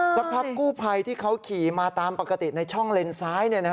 สักพักกู้ภัยที่เขาขี่มาตามปกติในช่องเลนซ้าย